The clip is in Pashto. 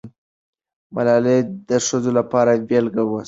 ملالۍ د ښځو لپاره بېلګه سوه.